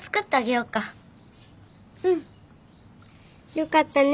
よかったね